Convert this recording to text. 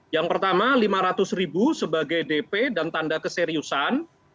yang pertama lima ratus sebagai dp dan tanda keseriusan